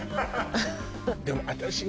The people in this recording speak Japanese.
でも私ね